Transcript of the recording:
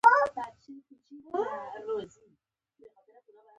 د پوځي چارو په ارتباط.